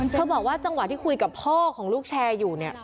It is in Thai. เขาบอกว่าจังหวะที่คุยกับพ่อของลูกแชร์อยู่เนี่ย